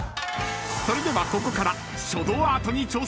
［それではここから］